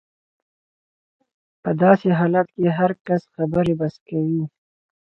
په داسې حالت کې هر کس خبرې بس کوي.